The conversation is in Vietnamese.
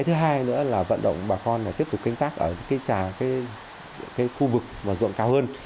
thứ hai nữa là vận động bà con là tiếp tục kênh tác ở cái trà cái khu vực mà ruộng cao hơn